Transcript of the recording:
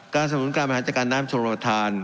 การสมมุติการบริหารจัดการน้ำชะลมประทาน